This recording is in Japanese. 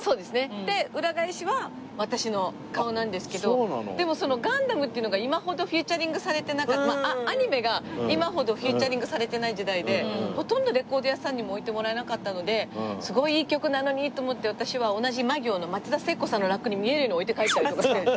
で裏返しは私の顔なんですけどでもガンダムっていうのが今ほどフィーチャリングされてなかったアニメが今ほどフィーチャリングされてない時代でほとんどレコード屋さんにも置いてもらえなかったのですごいいい曲なのにと思って私は同じま行の松田聖子さんのラックに見えるように置いて帰ったりとかして。